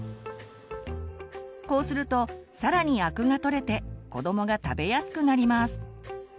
こうするとさらにアクが取れて子どもが食べやすくなります。